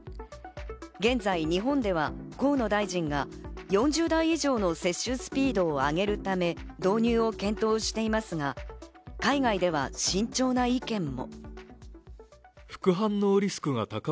現在、日本では河野大臣が４０代以上の接種スピードを上げるため導入を検討していますが、海外では慎重な意見も。